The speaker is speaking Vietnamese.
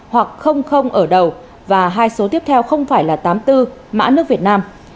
hoặc không ở đầu và hai số tiếp theo không phải là tám mươi bốn mã nước việt nam